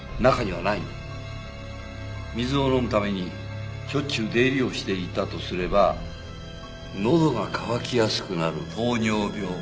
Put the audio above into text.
水を飲むためにしょっちゅう出入りをしていたとすればのどが渇きやすくなる糖尿病。